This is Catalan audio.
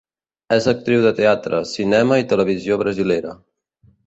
És actriu de teatre, cinema i televisió brasilera.